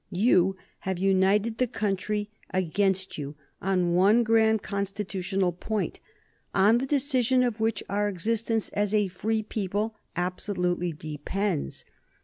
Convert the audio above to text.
You have united the country against you on one grand constitutional point, on the decision of which our existence as a free people absolutely depends.